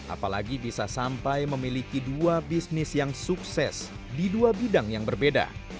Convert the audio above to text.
apalagi bisa sampai memiliki dua bisnis yang sukses di dua bidang yang berbeda